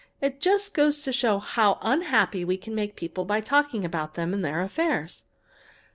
It just goes to show how unhappy we can make people by talking about them and their affairs."